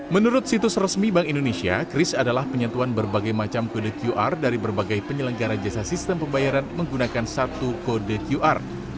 menurut situs resmi bank indonesia kris adalah penyatuan berbagai macam kode qr dari berbagai penyelenggara jasa sistem pembayaran menggunakan satu kode qr